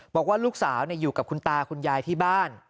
บอกว่าลูกสาวอยู่กับคุณตาคุณยายที่บ้าน